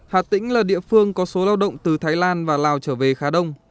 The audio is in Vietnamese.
hà tĩnh là địa phương có số lao động từ thái lan và lào trở về khá đông